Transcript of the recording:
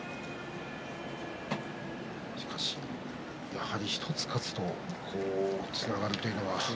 やはり１つ勝つとつながるというのは。